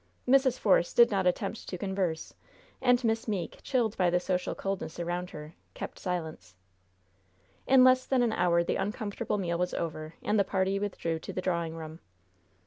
Mrs. Force did not attempt to converse, and Miss Meeke, chilled by the social coldness around her, kept silence. In less than an hour the uncomfortable meal was over and the party withdrew to the drawing room.